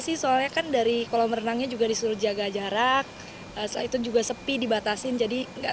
sih soalnya kan dari kolam renangnya juga disuruh jaga jarak itu juga sepi dibatasin jadi enggak